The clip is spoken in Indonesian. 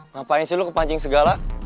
ngapain sih lu kepancing segala